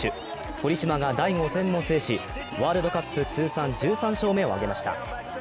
堀島が第５戦も制し、ワールドカップ通算１３勝目を挙げました。